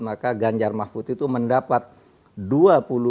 maka ganjar mahfud itu mendapatkan